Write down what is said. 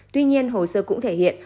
tuy nhiên hồ sơ cũng thể hiện